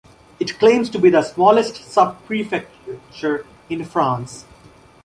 It claims to be the smallest sub-prefecture in France.